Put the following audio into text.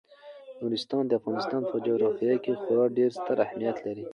نورستان د افغانستان په جغرافیه کې خورا ډیر ستر اهمیت لري.